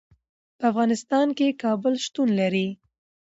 په افغانستان کې کابل شتون لري.